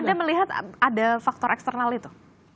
anda melihat ada faktor eksternal itu